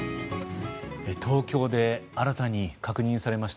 東京で新たに確認されました